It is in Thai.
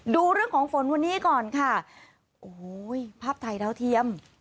ดูเรื่องของฝนวันนี้ก่อนค่ะโอ้โหภาพถ่ายดาวเทียม